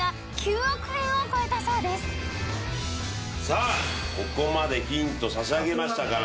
さあここまでヒント差し上げましたから。